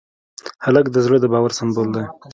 هلک د زړه د باور سمبول دی.